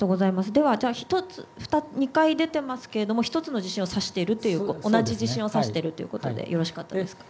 では２回出てますけれど１つの地震を指している同じ地震を指していることでよろしかったでしょうか。